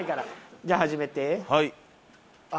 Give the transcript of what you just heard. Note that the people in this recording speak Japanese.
じゃあ始めて。